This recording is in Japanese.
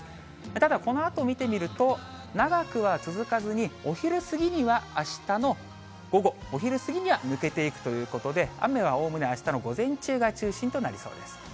ただこのあと見てみると、長くは続かずに、お昼過ぎにはあしたの午後、お昼過ぎには抜けていくということで、雨はおおむね、あしたの午前中が中心となりそうです。